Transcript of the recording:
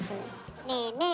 ねえねえ